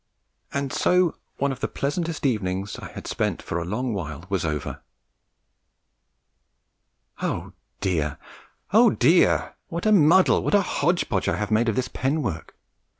And so one of the pleasantest evenings I had spent for a long while was over. Oh, dear! oh, dear! What a muddle, what a hodge podge I have made of this pen work!